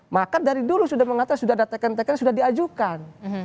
maka dari dulu sudah mengatakan sudah ada tekan teken sudah diajukan